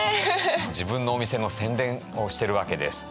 自分のお店の宣伝をしてるわけです。